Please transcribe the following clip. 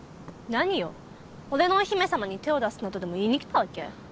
何よ俺のお姫様に手を出すなとでも言いに来たわけ？